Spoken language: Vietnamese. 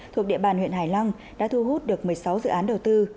thuộc địa bàn huyện hải lăng đã thu hút được một mươi sáu dự án đầu tư